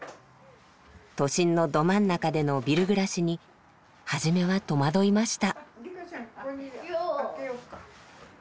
都心のど真ん中でのビル暮らしに初めは戸惑いました。